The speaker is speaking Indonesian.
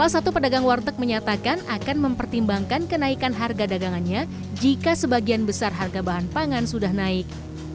salah satu pedagang warteg menyatakan akan mempertimbangkan kenaikan harga dagangannya jika sebagian besar harga bahan pangan sudah naik